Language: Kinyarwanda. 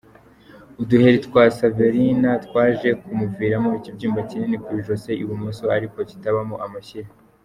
Uduheri twa Saverina, twaje kumuviramo ikibyimba kinini ku ijosi ibumoso ariko kitabamo amashyira.